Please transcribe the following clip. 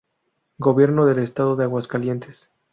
Gobierno del estado de Aguascalientes